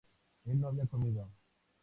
él no había comido